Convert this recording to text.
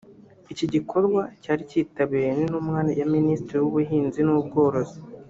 Iki gikorwa cyari cyitabiriwe n’intumwa ya Minisiteri y’Ubuhinzi n’Ubworozi